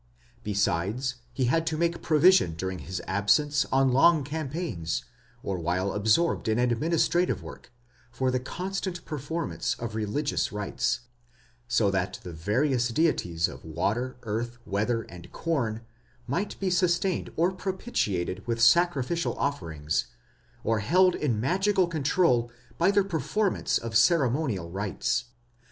Besides, he had to make provision during his absence on long campaigns, or while absorbed in administrative work, for the constant performance of religious rites, so that the various deities of water, earth, weather, and corn might be sustained or propitiated with sacrificial offerings, or held in magical control by the performance of ceremonial rites.